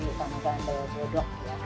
jadi tambah tambah bodoh